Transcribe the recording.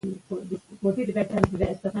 هر ماشوم باید د زده کړې اسانتیا ولري.